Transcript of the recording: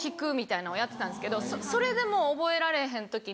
やってたんですけどそれでも覚えられへん時に。